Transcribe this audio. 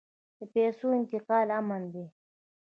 د پیسو انتقال امن دی؟